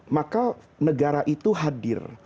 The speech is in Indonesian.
maka negara itu hadir